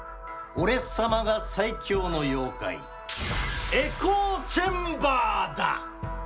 俺様が最強の妖怪エコーチェンバーだ！